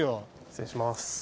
失礼します。